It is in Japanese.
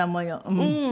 うん。